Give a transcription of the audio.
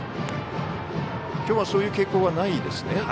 今日はそういう傾向がないですね。